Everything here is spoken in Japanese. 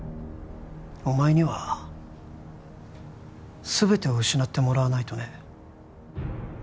お前には全てを失ってもらわないとね